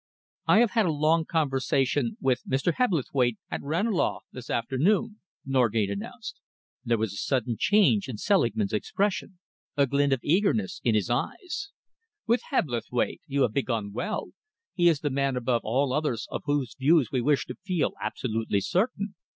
"I have had a long conversation with Mr. Hebblethwaite at Ranelagh this afternoon," Norgate announced. There was a sudden change in Selingman's expression, a glint of eagerness in his eyes. "With Hebblethwaite! You have begun well. He is the man above all others of whose views we wish to feel absolutely certain.